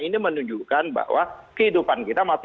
ini menunjukkan bahwa kehidupan kita masih